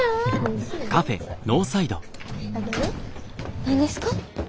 何ですか？